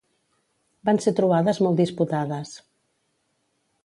Van ser trobades molt disputades.